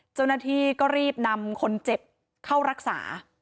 เจ้าหน้าที่ก็รีบนำคนเจ็บเข้ารักษา